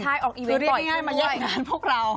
ใช่ออกอีเวนต่อด้วยดูเรียกง่ายมันยากงานพวกเรา